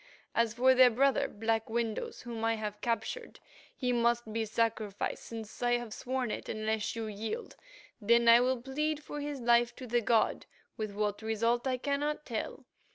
As for their brother, Black Windows, whom I have captured, he must be sacrificed, since I have sworn it, unless you yield, when I will plead for his life to the god, with what result I cannot tell.